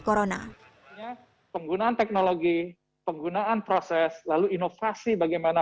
corona penggunaan teknologi penggunaan proses lalu inovasi bagaimana